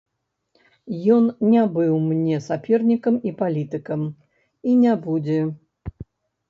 Ён не быў мне сапернікам і палітыкам, і не будзе.